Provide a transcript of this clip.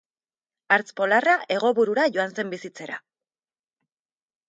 Hartz polarra hego burura joan zen bizitzera.